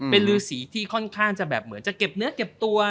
เป็นรือสีที่ค่อนข้างจะแบบเหมือนจะเก็บเนื้อเก็บตัว